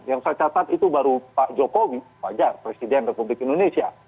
yang saya catat itu baru pak jokowi wajar presiden republik indonesia